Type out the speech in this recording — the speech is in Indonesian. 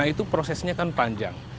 itu prosesnya kan panjang